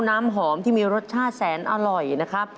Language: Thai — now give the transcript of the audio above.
น้ำหอมที่มีรสชาติแสนอร่อยนะครับ